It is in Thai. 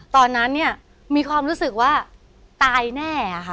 ตอนนั้นเนี่ยมีความรู้สึกว่าตายแน่ค่ะ